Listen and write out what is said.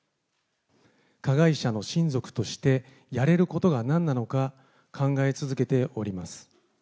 加害者の親族として、やれることがなんなのか、考え続けております。